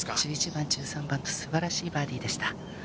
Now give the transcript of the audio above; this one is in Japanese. １１番、１３番と、すばらしいバーディーでした。